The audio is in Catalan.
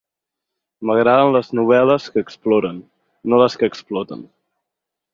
M'agraden les novel·les que exploren, no les que exploten.